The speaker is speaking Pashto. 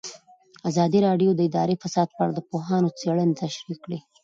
ازادي راډیو د اداري فساد په اړه د پوهانو څېړنې تشریح کړې.